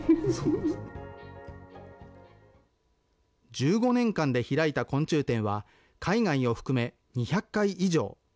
１５年間で開いた昆虫展は、海外を含め２００回以上。